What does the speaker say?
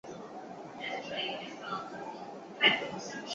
漂砂沉积是地质或矿业学上的专有名词。